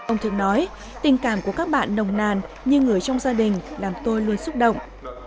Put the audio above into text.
ông thượng nói tình cảm của các bạn nồng nàn như người trong gia đình làm tôi luôn xúc động